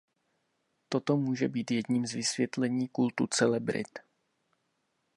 Toto může být jedním z vysvětlení kultu celebrit.